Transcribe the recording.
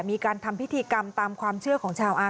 มีการทำพิธีกรรมตามความเชื่อของชาวอาร์